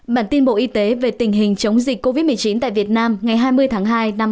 bản tin bộ y tế về tình hình chống dịch covid một mươi chín tại việt nam ngày hai mươi tháng hai năm hai nghìn hai mươi